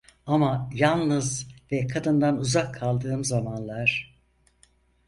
Ama yalnız ve kadından uzak kaldığım zamanlar…